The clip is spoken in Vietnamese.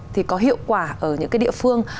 thì có hiệu quả ở những địa phương